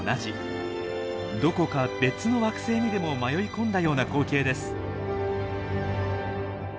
どこか別の惑星にでも迷い込んだような光景です。